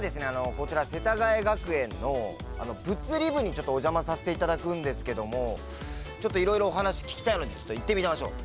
こちら世田谷学園の物理部にちょっとお邪魔させて頂くんですけどもちょっといろいろお話聞きたいのでちょっと行ってみましょう。